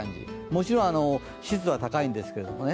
もちろん、湿度は高いんですけれども。